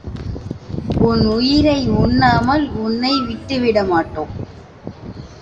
உன் உயிரை உண்ணாமல் உன்னை விட்டுவிட மாட்டோம்.